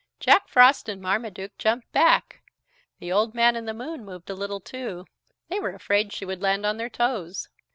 Jack Frost and Marmaduke jumped back; the Old Man in the Moon moved a little too. They were afraid she would land on their toes.